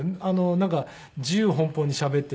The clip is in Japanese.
なんか自由奔放にしゃべっていて。